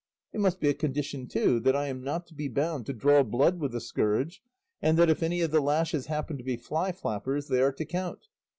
It must be a condition, too, that I am not to be bound to draw blood with the scourge, and that if any of the lashes happen to be fly flappers they are to count.